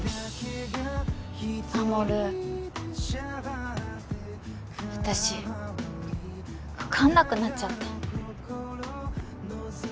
衛私分かんなくなっちゃった